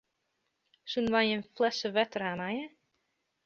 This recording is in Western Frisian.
Soenen wy in flesse wetter hawwe meie?